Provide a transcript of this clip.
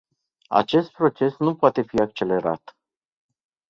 Acest proces nu poate fi accelerat.